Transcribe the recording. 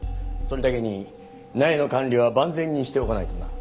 それだけに苗の管理は万全にしておかないとな。